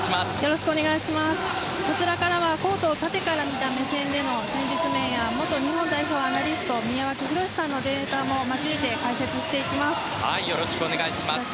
こちらからはコートを縦から見た目線での戦術面や元日本代表アナリスト宮脇裕史さんのデータも交えてよろしくお願いします。